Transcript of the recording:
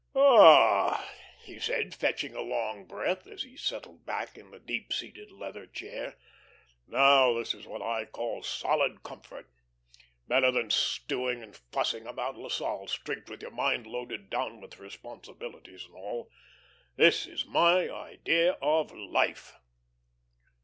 "Ah," he said, fetching a long breath as he settled back in the deep seated leather chair. "Now this is what I call solid comfort. Better than stewing and fussing about La Salle Street with your mind loaded down with responsibilities and all. This is my idea of life."